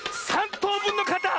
とうぶんのかたっ！